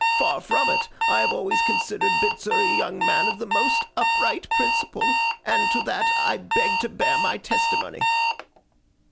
Far from it. I have always considered Bitzer a young man of the most upright principle; and to that I beg to bear my testimony.